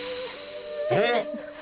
「えっ！